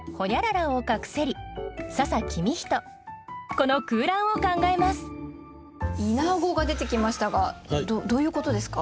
この空欄を考えます「イナゴ」が出てきましたがどういうことですか？